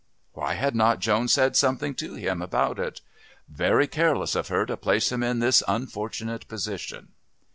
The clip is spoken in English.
Why had not Joan said something to him about it? Very careless of her to place him in this unfortunate position.